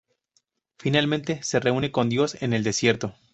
Finalmente, se reúne con Dios en el desierto.